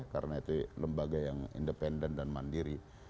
karena itu lembaga yang independen dan mandiri